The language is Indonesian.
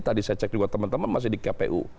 tadi saya cek juga teman teman masih di kpu